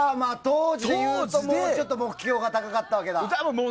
ああ、当時でいうともうちょっと目標が高かったわけだ。